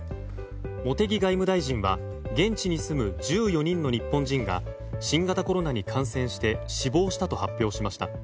茂木外務大臣は現地に住む１４人の日本人が新型コロナに感染して死亡したと発表しました。